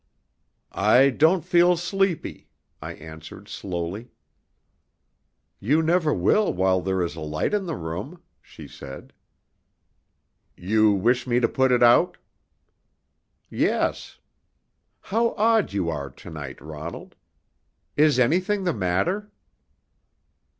"I don't feel sleepy," I answered slowly. "You never will while there is a light in the room," she said. "You wish me to put it out?" "Yes. How odd you are to night, Ronald! Is anything the matter?"